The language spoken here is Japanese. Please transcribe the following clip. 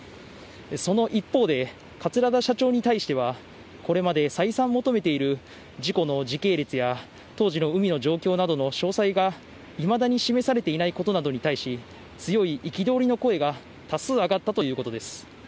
その一方で、桂田社長に対しては、これまで再三求めている事故の時系列や、当時の海の状況などの詳細がいまだに示されていないことなどに対し、強い憤りの声が多数上がったということです。